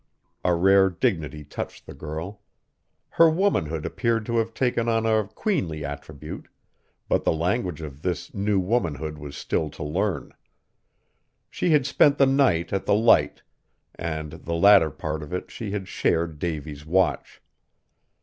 A rare dignity touched the girl. Her womanhood appeared to have taken on a queenly attribute; but the language of this new womanhood was still to learn. She had spent the night at the Light, and the latter part of it she had shared Davy's watch.